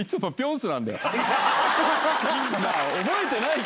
覚えてないか？